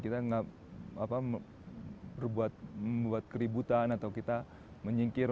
kita nggak membuat keributan atau kita menyingkir